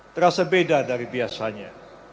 terasa beda dari biasanya